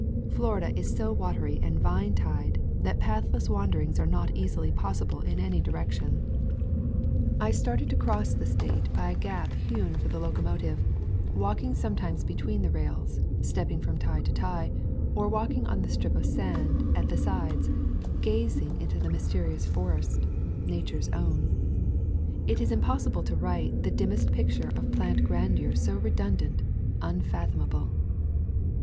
_ Florida is so watery and vine tied that path less wanderings are not easily possible in any direction. I started to cross the State by a gap [ 89 ] A Thousand Mile Walk hewn for the locomotive, walking sometimes between the rails, stepping from tie to tie, or walking on the strip of sand at the sides, gazing into the mysterious forest, Nature's own. It is impossible to write the dimmest picture of plant grandeur so redundant, unfathomable.